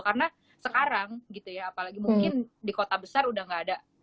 karena sekarang gitu ya apalagi mungkin di kota besar udah gak ada